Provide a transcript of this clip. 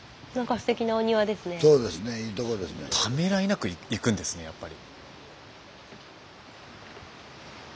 スタジオためらいなく行くんですねやっぱり。